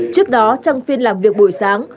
trước đó trong phiên làm việc buổi sáng